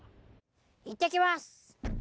行ってきます！